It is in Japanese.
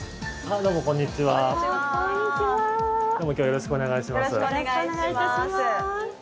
どうも今日はよろしくお願いします。